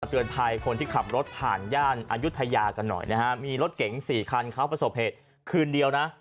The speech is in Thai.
เตือนภัยคนที่ขับรถผ่านย่านอายุทยากันหน่อยนะฮะมีรถเก๋งสี่คันเขาประสบเหตุคืนเดียวนะ